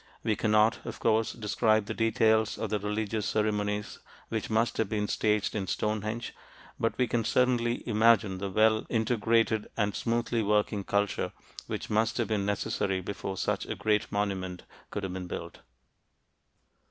We cannot, of course, describe the details of the religious ceremonies which must have been staged in Stonehenge, but we can certainly imagine the well integrated and smoothly working culture which must have been necessary before such a great monument could have been built.